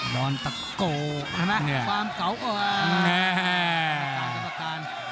ดอนตะโกใช่ไหมความเก่าอ่า